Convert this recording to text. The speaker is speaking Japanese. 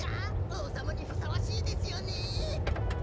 おうさまにふさわしいですよね。